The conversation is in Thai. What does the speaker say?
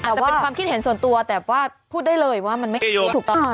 อาจจะเป็นความคิดเห็นส่วนตัวแต่ว่าพูดได้เลยว่ามันไม่ถูกต้อง